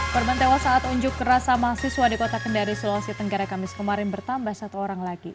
korban tewas saat unjuk rasa mahasiswa di kota kendari sulawesi tenggara kamis kemarin bertambah satu orang lagi